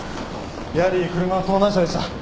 やはり車は盗難車でした。